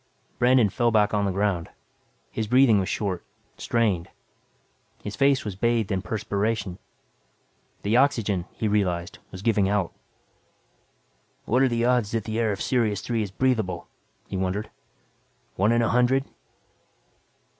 Brandon fell back on the ground. His breathing was short, strained. His face was bathed in perspiration. The oxygen, he realized, was giving out. What are the odds, that the air of Sirius Three is breathable, he wondered. One in a hundred?